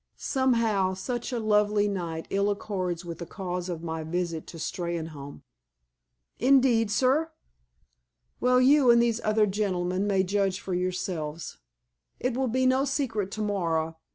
"Somehow, such a lovely night ill accords with the cause of my visit to Steynholme." "In deed, sir?" "Well, you and these other gentlemen may judge for yourselves. It will be no secret tomorrow.